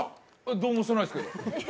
どうもしてないですけど。